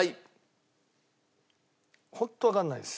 本当わかんないです。